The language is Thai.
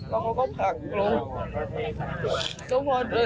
แล้วเขาก็ผลักลง